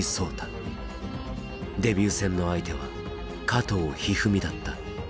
デビュー戦の相手は加藤一二三だった。